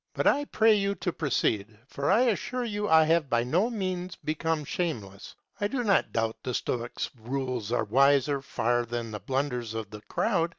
But I pray you to proceed. For I assure you I have by no means become shameless. I do not doubt the Stoics' rules are wiser far than the blunders of the crowd.